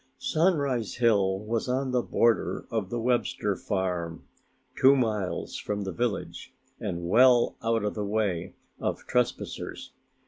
Sunrise Hill was on the border of the Webster farm, two miles from the village and well out of the way of trespassers.